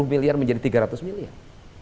dua puluh miliar menjadi tiga ratus miliar